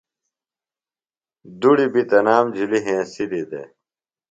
دُڑیۡ بیۡ تنام جُھلیۡ ہینسِلی دےۡ